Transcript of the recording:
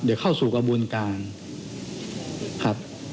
เดี๋ยวเข้าสู่กระบวนการครับ